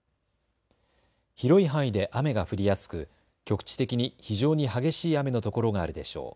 広い範囲で雨が降りやすく局地的に非常に激しい雨の所があるでしょう。